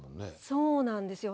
そうなんですよ。